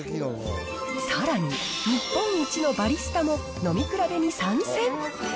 さらに、日本一のバリスタも飲み比べに参戦。